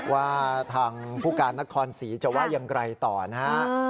ว่าทางผู้การนักคลอนศรีจะว่ายังไกลต่อนะ